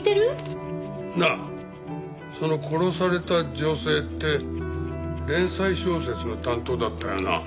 なあその殺された女性って連載小説の担当だったよな？